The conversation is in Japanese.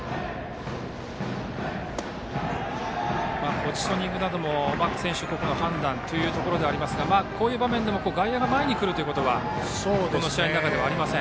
ポジショニングなども選手個々の判断ということですがこういう場面でも外野が前へ来ることはこの試合の中ではありません。